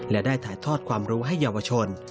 และได้ถ่ายทอดความรู้ให้เยาวชน